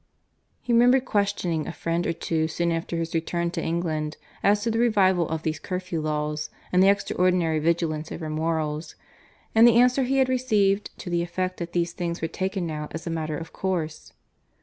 He remembered questioning a friend or two soon after his return to England as to the revival of these Curfew laws, and the xtraordinary vigilance over morals; and the answer he had received to the effect that those things were taken now as a matter of course.